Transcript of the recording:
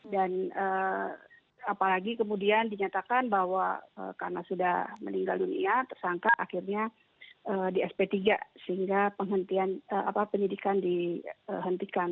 dan apalagi kemudian dinyatakan bahwa karena sudah meninggal dunia tersangka akhirnya di sp tiga sehingga penyidikan dihentikan